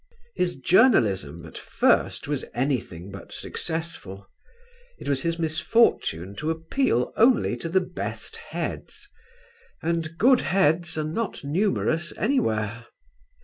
His journalism at first was anything but successful. It was his misfortune to appeal only to the best heads and good heads are not numerous anywhere.